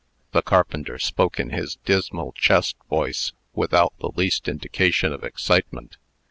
The carpenter spoke in his dismal chest voice, without the least indication of excitement.